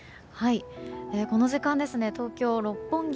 この時間、東京・六本木